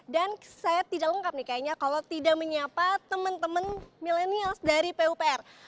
dan saya tidak lengkap nih kayaknya kalau tidak menyapa teman teman milenial dari pupr